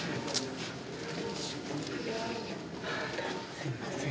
すいません。